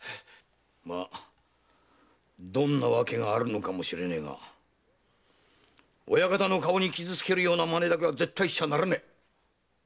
まあどんな訳があるのか知れねえが親方の顔に傷つけるようなまねは絶対にしちゃならねえ！